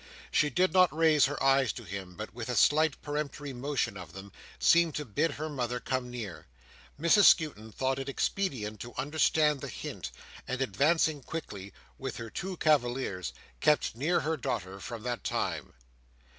She did not raise her eyes to him; but with a slight peremptory motion of them, seemed to bid her mother come near. Mrs Skewton thought it expedient to understand the hint, and advancing quickly, with her two cavaliers, kept near her daughter from that time.